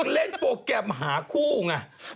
เล่นโปรแกรมหาคู่ไง